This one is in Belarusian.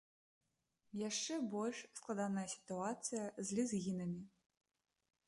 Яшчэ больш складаная сітуацыя з лезгінамі.